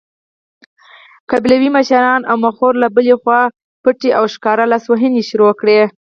قبیلوي مشرانو او مخورو له بلې خوا پټې او ښکاره لاسوهنې پیل کړې.